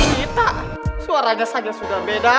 kita suaranya saja sudah beda